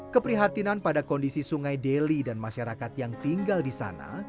keprihatinan pada kondisi sungai deli dan masyarakat yang tinggal di sana